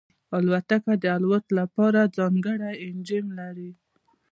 الوتکه د الوت لپاره ځانګړی انجن لري.